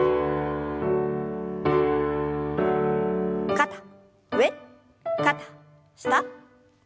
肩上肩下。